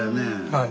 はい。